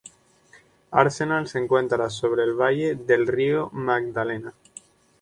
Arenal se encuentra sobre el valle del Río Magdalena.